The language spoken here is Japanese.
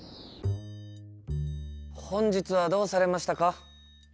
本日はどうされましたか？